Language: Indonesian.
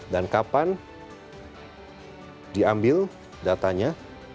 dan kapan diambil datanya